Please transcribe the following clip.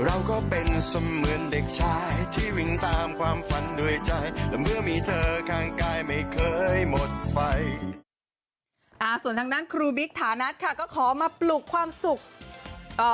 อ่าส่วนทางด้านครูบิ๊กถานัดค่ะก็ขอมาปลุกความสุขเอ่อ